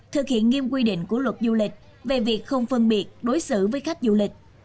thực hiện nghiêm quy định của luật du lịch về việc không phân biệt đối xử với khách du lịch